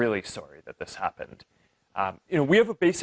dan saya sangat bersyukur bahwa ini terjadi